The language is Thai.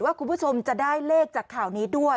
คุณผู้ชมจะได้เลขจากข่าวนี้ด้วย